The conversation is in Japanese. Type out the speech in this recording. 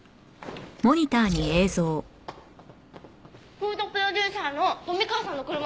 フードプロデューサーの冨川さんの車。